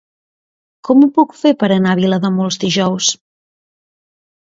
Com ho puc fer per anar a Vilademuls dijous?